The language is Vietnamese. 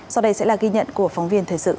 sau đây sẽ là ghi nhận của phóng viên thời sự